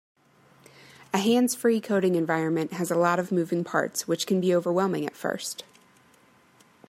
A hands-free coding environment has a lot of moving parts, which can be overwhelming at first.